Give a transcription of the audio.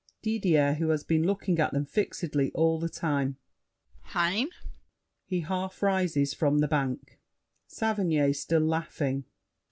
DIDIER (who has been looking at them fixedly all the time). Hein? [He half rises from the bank. SAVERNY (still laughing).